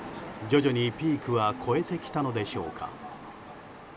徐々にピークは越えてきたのでしょうか。